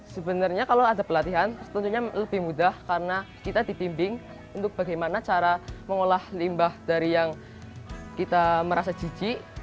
sebenarnya kalau ada pelatihan tentunya lebih mudah karena kita dibimbing untuk bagaimana cara mengolah limbah dari yang kita merasa jijik